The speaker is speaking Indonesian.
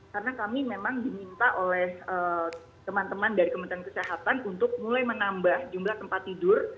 karena kami memang diminta oleh teman teman dari kementerian kesehatan untuk mulai menambah jumlah tempat tidur